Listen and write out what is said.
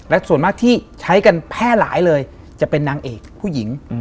และส่วนมากที่ใช้กันแพร่หลายเลยจะเป็นนางเอกผู้หญิง